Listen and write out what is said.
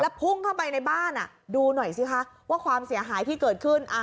พุ่งเข้าไปในบ้านดูหน่อยสิคะว่าความเสียหายที่เกิดขึ้น